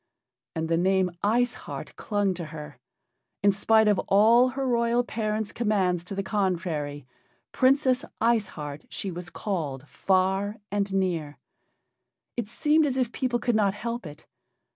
And the name "Ice Heart" clung to her. In spite of all her royal parents' commands to the contrary, "Princess Ice Heart" she was called far and near. It seemed as if people could not help it.